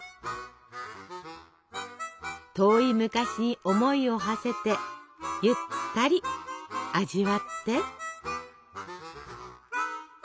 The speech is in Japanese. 遠い昔に思いをはせてゆったり味わって！